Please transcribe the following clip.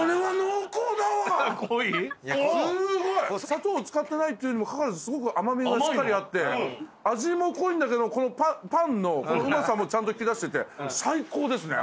砂糖使ってないっていうにもかかわらずすごく甘味がしっかりあって味も濃いんだけどこのパンのうまさもちゃんと引き出してて最高ですね。